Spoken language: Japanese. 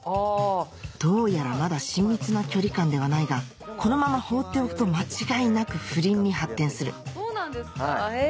どうやらまだ親密な距離感ではないがこのまま放っておくと間違いなく不倫に発展するそうなんですかへぇ！